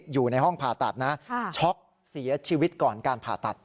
อยู่ในห้องผ่าตัดนะช็อกเสียชีวิตก่อนการผ่าตัด